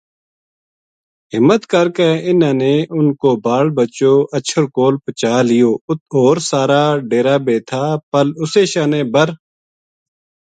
ہمت کر کے اِنھاں نے اُنھ کو بال بچو اَچھر کول پوہچا لیو اُت ہور سارا ڈیرا بے تھا پل اُسے شانے بر